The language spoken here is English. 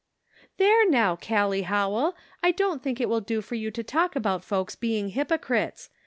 " There now, Gallic Howell ! I don't think it will do for you to talk about folks being hypocrites.